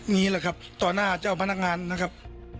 นี่แหละครับต่อหน้าเจ้าพนักงานนะครับ